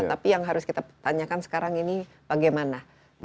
tapi yang harus kita tanyakan sekarang ini bagaimana